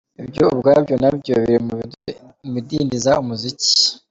Ibyo ubwabyo na byo biri mu bidindiza umuziki.